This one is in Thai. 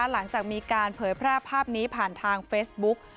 หลังจากมีการเผยแพร่ภาพนี้ผ่านทางเฟซบุ๊ก